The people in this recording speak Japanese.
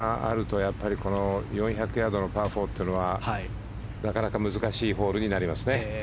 風があるとやっぱり４００ヤードのパー４っていうのはなかなか難しいホールになります。